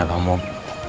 aku sudah sakit